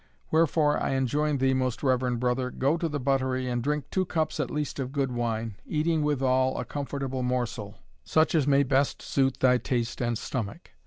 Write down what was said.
Wherefore, I enjoin thee, most reverend brother, go to the buttery and drink two cups at least of good wine, eating withal a comfortable morsel, such as may best suit thy taste and stomach.